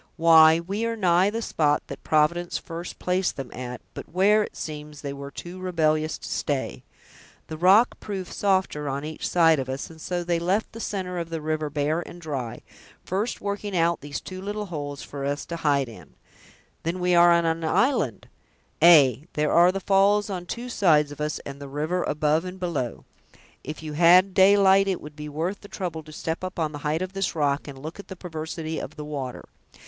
"Why, we are nigh the spot that Providence first placed them at, but where, it seems, they were too rebellious to stay. The rock proved softer on each side of us, and so they left the center of the river bare and dry, first working out these two little holes for us to hide in." "We are then on an island!" "Ay! there are the falls on two sides of us, and the river above and below. If you had daylight, it would be worth the trouble to step up on the height of this rock, and look at the perversity of the water.